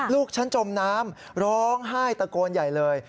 ลูกฉันจมน้ำร้องไห้ตะโกนใหญ่เลย